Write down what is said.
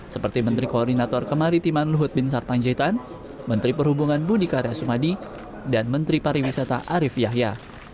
seperti menteri koordinator kemaritiman luhut bin sarpanjaitan menteri perhubungan budi karya sumadi dan menteri pariwisata arief yahya